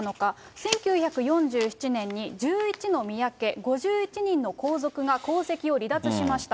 １９４７年に、１１の宮家５１人の皇族が皇籍を離脱しました。